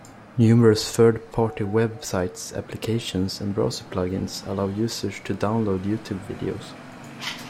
Numerous third-party web sites, applications and browser plug-ins allow users to download YouTube videos.